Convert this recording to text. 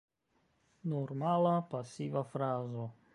Normala pasiva frazo.